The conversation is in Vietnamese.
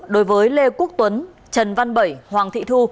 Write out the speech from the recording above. đối với lê quốc tuấn trần văn bảy hoàng thị thu